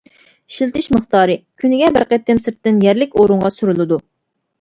ئىشلىتىش مىقدارى: كۈنىگە بىر قېتىم سىرتتىن يەرلىك ئورۇنغا سۈركىلىدۇ.